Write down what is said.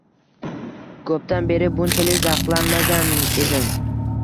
Ko’pdan beri bunchalik zavqlanmagan edim.